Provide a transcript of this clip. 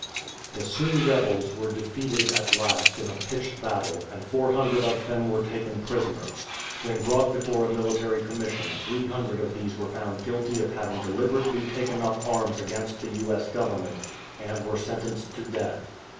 The Sioux rebels were defeated at last in a pitched battle, and 400 of them were taken prisoners. When brought before a military commission, 300 of these were found guilty of having deliberately taken up arms against the U.S. Government, and were sentenced to death.